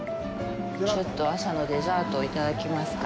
ちょっと朝のデザート、いただきますか。